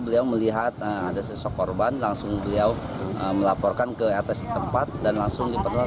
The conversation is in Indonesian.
beliau melihat ada sosok korban langsung beliau melaporkan ke atas tempat dan langsung diperoleh